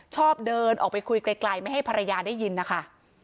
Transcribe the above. ชอบเดินออกไปคุยไกลไม่ให้ภรรยาได้ยินนะคะ